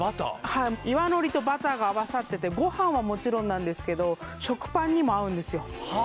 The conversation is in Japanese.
はい岩海苔とバターが合わさっててごはんはもちろんなんですけど食パンにも合うんですよは